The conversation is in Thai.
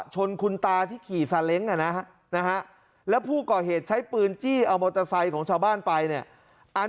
ชนคุณตาที่ขี่ซาเล้งแล้วผู้ก่อเหตุใช้ปืนจี้เอามอเตอร์ไซค์ของชาวบ้านไปเนี่ย